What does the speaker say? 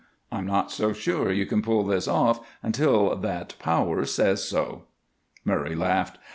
I'm not so sure you can pull this off until that Power says so." Murray laughed.